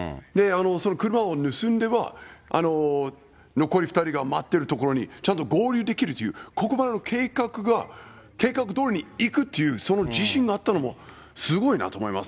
その車を盗んでも残り２人が待ってる所にちゃんと合流できるという、ここまでの計画、計画どおりにいくっていうその自信があったのもすごいなと思います。